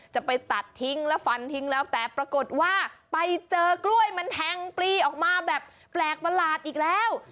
จะไปตัดทิ้งแล้วฝันทิ้งแล้วแต่ปรากฏว่าไปเจอกล้วยมันแทงปลีออกมาแบบแปลกประหลาดอีกแล้ว